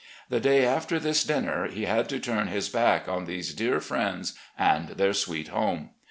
The day after this dinner he had to turn his back on these dear friends and their sweet home.